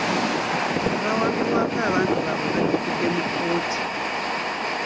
Abaawambibwako abantu baabwe baddukidde mu kkooti.